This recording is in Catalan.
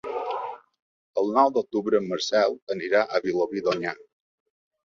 El nou d'octubre en Marcel anirà a Vilobí d'Onyar.